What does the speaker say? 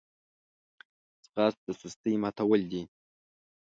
ځغاسته د سستۍ ماتول دي